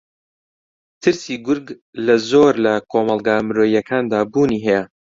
ترسی گورگ لە زۆر لە کۆمەڵگا مرۆیییەکاندا بوونی ھەیە